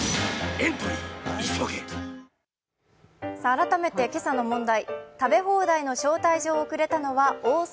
改めて今朝の問題。